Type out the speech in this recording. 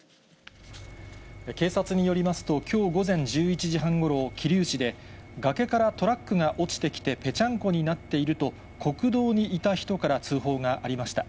警察によりますと、きょう午前１１時半ごろ、桐生市で、崖からトラックが落ちてきて、ぺちゃんこになっていると、国道にいた人から通報がありました。